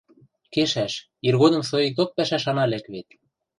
— Кешӓш, иргодым соикток пӓшӓш ана лӓк вет.